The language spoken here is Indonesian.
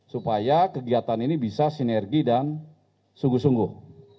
supaya kegiatan ini bisa sinergi dan sungguh sungguh